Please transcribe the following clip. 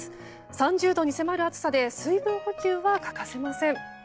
３０度に迫る暑さで水分補給は欠かせません。